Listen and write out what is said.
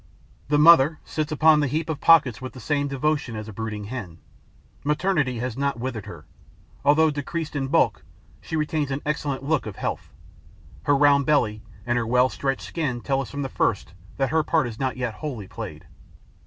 The mother sits upon the heap of pockets with the same devotion as a brooding hen. Maternity has not withered her. Although decreased in bulk, she retains an excellent look of health; her round belly and her well stretched skin tell us from the first that her part is not yet wholly played.